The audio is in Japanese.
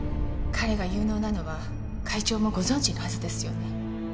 彼が有能なのは会長もご存じのはずですよね。